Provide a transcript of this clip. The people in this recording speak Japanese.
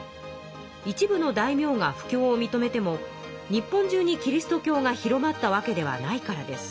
一部の大名が布教をみとめても日本中にキリスト教が広まったわけではないからです。